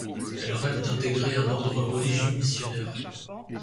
Elle rêve d'intégrer un ordre religieux missionnaire.